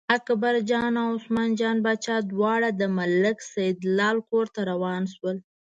اکبرجان او عثمان جان باچا دواړه د ملک سیدلال کور ته روان شول.